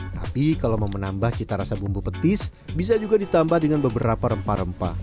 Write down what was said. tapi kalau mau menambah cita rasa bumbu petis bisa juga ditambah dengan beberapa rempah rempah